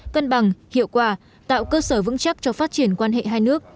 cân bằng hiệu quả tạo cơ sở vững chắc cho phát triển quan hệ hai nước